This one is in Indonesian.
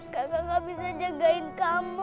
kapan gak bisa jagain kamu